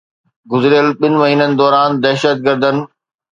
گذريل ٻن مهينن دوران دهشتگردن